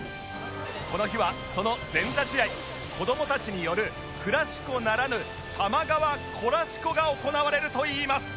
この日はその前座試合子どもたちによるクラシコならぬ多摩川コラシコが行われるといいます